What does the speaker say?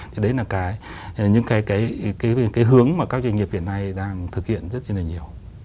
thì đấy là những cái hướng mà các doanh nghiệp hiện nay đang thực hiện rất là nhiều